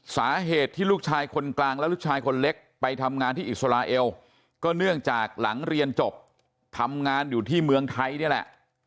สาเหตุที่ลูกชายคนกลางและลูกชายคนเล็กไปทำงานที่อิสราเอลก็เนื่องจากหลังเรียนจบทำงานอยู่ที่เมืองไทยนี่แหละ